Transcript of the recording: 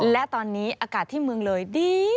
และตอนนี้อากาศที่เมืองเลยดี